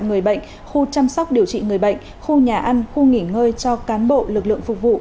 người bệnh khu chăm sóc điều trị người bệnh khu nhà ăn khu nghỉ ngơi cho cán bộ lực lượng phục vụ